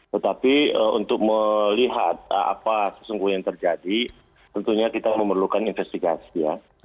tetapi untuk melihat apa sesungguhnya yang terjadi tentunya kita memerlukan investigasi ya